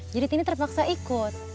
jadi tini terpaksa ikut